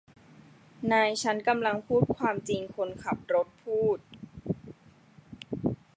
นายฉันกำลังพูดความจริงคนขับรถพูด